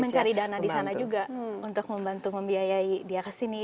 dia mencari dana di sana juga untuk membantu membiayai dia ke sini